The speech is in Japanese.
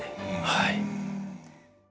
はい。